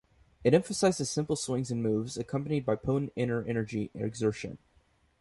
It emphasises simple swings and moves accompanied by potent inner energy exertion.